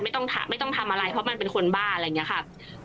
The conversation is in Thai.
ไม่ต้องทำอะไรเพราะมันเป็นคนบ้าอะไรอย่างนี้ค่ะ